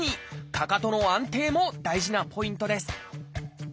かかとの安定も大事なポイントです。